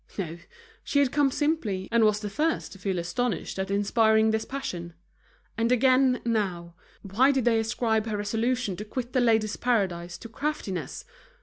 No, she had come simply, and was the first to feel astonished at inspiring this passion. And again, now, why did they ascribe her resolution to quit The Ladies' Paradise to craftiness?